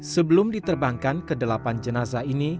sebelum diterbangkan kedelapan jenazah ini